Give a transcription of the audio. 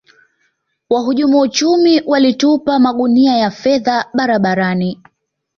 wahujumu uchumi walitupa magunia ya fedha barabarani